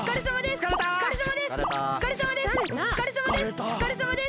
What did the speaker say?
おつかれさまです！